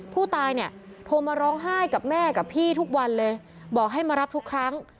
ผู้ตายเนี่ยโทรมาร้องไห้กับแม่กับพี่ทุกวันเลยบอกให้มารับทุกครั้ง